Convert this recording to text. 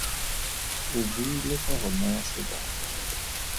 O buile ka go naya sebaka.